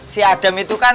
si adam itu kan